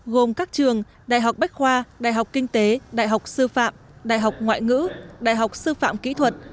gồm các trường đại học bách khoa đại học kinh tế đại học sư phạm đại học ngoại ngữ đại học sư phạm kỹ thuật